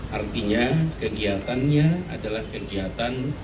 artinya kegiatannya adalah kegiatan